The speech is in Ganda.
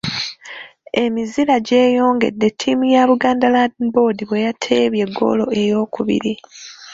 Emizira gyeyongedde ttiimu ya Buganda Land Board bwe yateebye ggoolo eyookubiri.